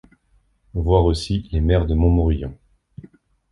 Voir aussi les maires de Montmorillon.